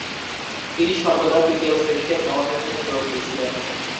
তিনি সর্বদা তৃতীয় শ্রেণিতে ভ্রমণের জন্য জোর দিয়েছিলেন।